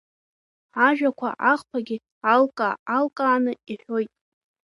Ажәақәа ахԥагьы алкаа-алкааны иҳәоит.